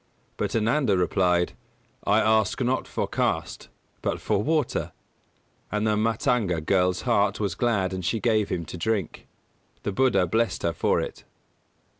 But Ananda replied: "I ask not for caste but for water"; and the Mātanga girl's heart was glad and she gave him to drink. The Buddha blessed her for it.